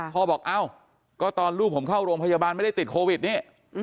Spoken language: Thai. บอกเอ้าก็ตอนลูกผมเข้าโรงพยาบาลไม่ได้ติดโควิดนี่